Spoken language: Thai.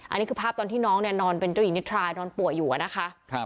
อันนี้คือภาพตอนที่น้องเนี่ยนอนเป็นเจ้าหญิงนิทรายนอนป่วยอยู่อะนะคะ